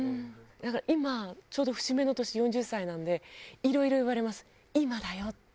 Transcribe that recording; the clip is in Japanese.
だから今ちょうど節目の年４０歳なんでいろいろ言われます。